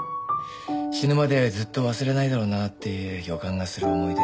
死ぬまでずっと忘れないだろうなって予感がする思い出。